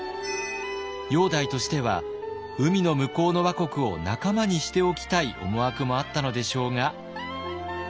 煬帝としては海の向こうの倭国を仲間にしておきたい思惑もあったのでしょうが。